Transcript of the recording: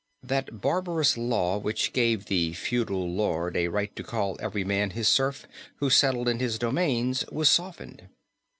That barbarous law which gave the feudal lord a right to call every man his serf who settled in his domains was softened.